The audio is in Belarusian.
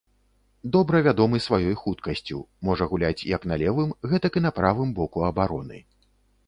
Добра вядомы сваёй хуткасцю, можа гуляць як на левым, гэтак і правым боку абароны.